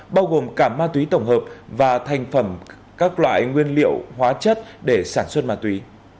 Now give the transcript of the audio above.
bao gồm cả ma túy tổng hợp và thành phẩm các loại nguyên liệu hóa chất để sản xuất ma túy